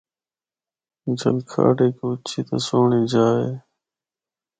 ’جلکھڈ‘ ہک اُچی تے سہنڑی جا اے۔